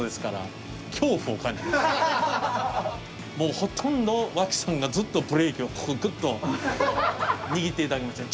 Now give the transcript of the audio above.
もうほとんど脇さんがずっとブレーキをここグッと握って頂きました。